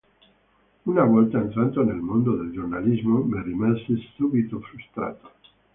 Una volta entrato nel mondo del giornalismo, ne rimase subito frustrato.